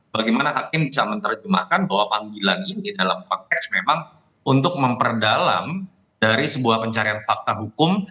bagaimana hakim bisa menerjemahkan bahwa panggilan ini dalam konteks memang untuk memperdalam dari sebuah pencarian fakta hukum